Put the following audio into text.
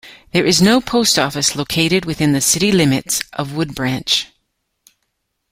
There is no post office located within the city limits of Woodbranch.